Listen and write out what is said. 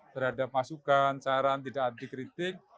terhadap masukan saran tidak anti kritik